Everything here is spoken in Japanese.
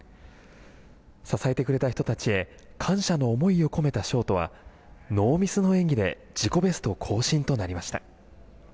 支えてくれた人たちへ感謝の思いを込めたショートはノーミスの演技で自己ベスト更新となりました。